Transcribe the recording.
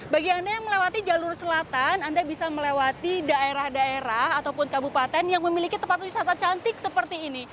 bagi anda yang melewati jalur selatan anda bisa melewati daerah daerah ataupun kabupaten yang memiliki tempat wisata cantik seperti ini